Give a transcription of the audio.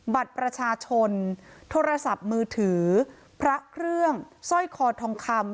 บัตรประชาชนโทรศัพท์มือถือพระเครื่องสร้อยคอทองคำ